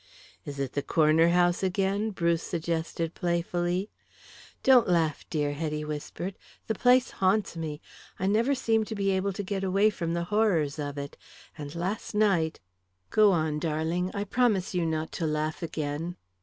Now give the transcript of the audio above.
"Is it the corner house again?" Bruce suggested playfully. "Don't laugh, dear," Hetty whispered. "The place haunts, me. I never seem to be able to get away from the horrors of it. And last night " "Go on, darling. I promise you not to laugh again."